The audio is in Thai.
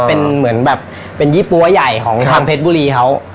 เป็นเหมือนแบบเป็นยี่ปั้วใหญ่ของทางเพชรบุรีเขา